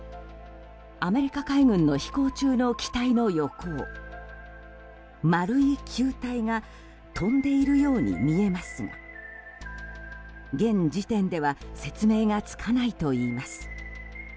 アメリカ海軍の飛行中の機体の横を丸い球体が飛んでいるように見えますが現時点では説明がつかないといいます。